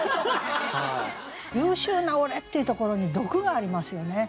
「優秀な俺」っていうところに毒がありますよね。